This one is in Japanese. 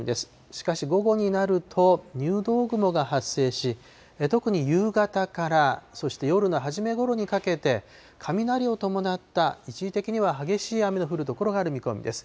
しかし午後になると、入道雲が発生し、特に夕方から、そして夜の初めごろにかけて、雷を伴った一時的には激しい雨の降る所がある見込みです。